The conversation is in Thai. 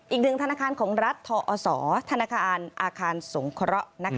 อีกหนึ่งธนาคารของรัฐทอศธนาคารอาคารสงเคราะห์